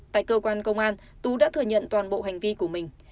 tại cơ quan công an tú đã thừa nhận toàn bộ hành vi của mình